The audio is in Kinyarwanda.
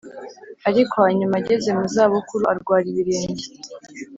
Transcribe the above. Ariko hanyuma ageze mu za bukuru arwara ibirenge